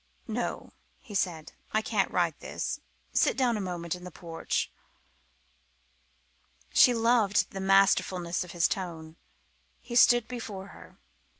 "No," he said, "I can't write this. Sit down a moment in the porch." She loved the masterfulness of his tone. He stood before her.